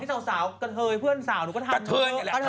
ที่สาวกะเทยเพื่อนสาวหนูก็ทำกะเทยแหละทำเยอะ